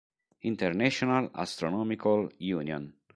International Astronomical Union.